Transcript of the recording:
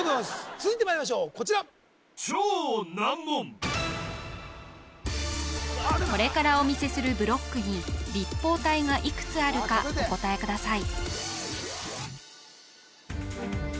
続いてまいりましょうこちらこれからお見せするブロックに立方体がいくつあるかお答えください